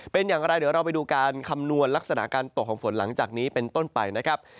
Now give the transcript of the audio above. เป็นอย่างไรเดี๋ยวเราไปดูการคำนวณลักษณะการตกของฝนหลังจากนี้เป็นต้นไปนะครับ